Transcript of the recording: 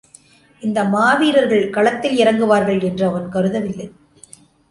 இந்த மாவீரர்கள் களத்தில் இறங்கு வார்கள் என்று அவன் கருதவில்லை.